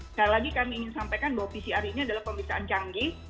sekali lagi kami ingin sampaikan bahwa pcr ini adalah pemeriksaan canggih